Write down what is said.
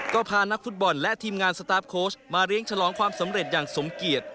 ก็พานักฟุตบอลและทีมงานสตาร์ฟโค้ชมาเลี้ยงฉลองความสำเร็จอย่างสมเกียจ